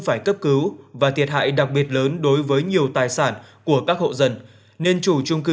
phải cấp cứu và thiệt hại đặc biệt lớn đối với nhiều tài sản của các hộ dân nên chủ trung cư